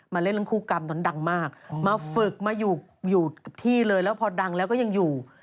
เล่นเรื่องคู่กรรมนั้นดังมากมาฝึกมาอยู่อยู่กับที่เลยแล้วพอดังแล้วก็ยังอยู่